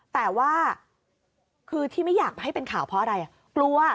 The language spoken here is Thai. แต่ว่าคือที่ไม่อยากให้เป็นข่าวเพราะอะไรกลัว